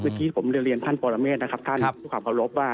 เมื่อกี้ผมเรียนท่านปรเมฆนะครับท่านด้วยความเคารพว่า